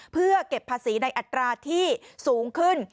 เพื่อเก็บภาษีในอัตราที่สูงขึ้น